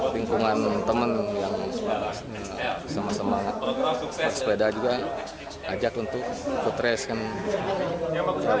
lingkungan teman yang sama sama sepeda juga ajak untuk footrace kan